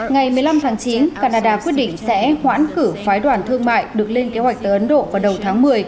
ngày một mươi năm tháng chín canada quyết định sẽ hoãn cử phái đoàn thương mại được lên kế hoạch tới ấn độ vào đầu tháng một mươi